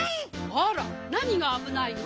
あらなにがあぶないの？